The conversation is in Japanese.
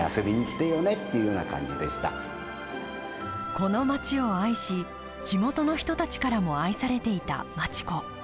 この町を愛し地元の人たちからも愛されていた町子。